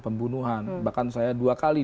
pembunuhan bahkan saya dua kali